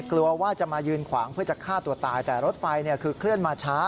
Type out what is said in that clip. กลัวว่าจะมายืนขวางเพื่อจะฆ่าตัวตายแต่รถไฟคือเคลื่อนมาช้า